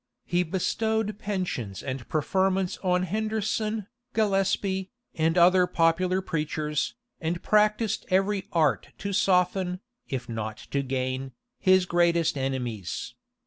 He bestowed pensions and preferments on Henderson, Gillespy, and other popular preachers, and practised every art to soften, if not to gain, his greatest enemies.